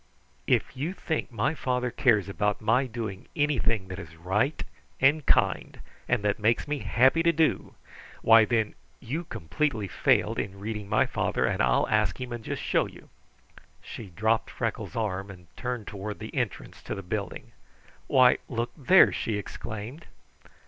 "If you think my father cares about my doing anything that is right and kind, and that makes me happy to do why, then you completely failed in reading my father, and I'll ask him and just show you." She dropped Freckles' arm and turned toward the entrance to the building. "Why, look there!" she exclaimed.